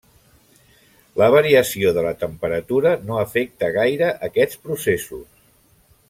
La variació de la temperatura no afecta gaire aquests processos.